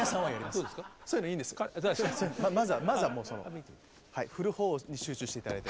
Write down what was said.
まずは振る方に集中していただいて。